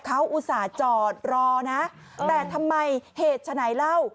เขาอุตส่าห์จอดรอนะแต่ทำไมเหตุฉะไหนเล่า